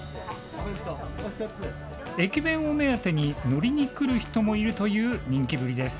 駅弁を目当てに乗りに来る人もいるという人気ぶりです。